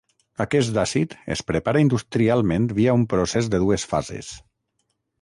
Aquest àcid es prepara industrialment via un procés de dues fases.